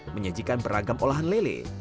menyajikan beragam olahan lele